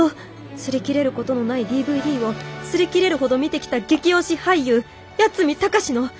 擦り切れることのないＤＶＤを擦り切れるほど見てきた激推し俳優八海崇の！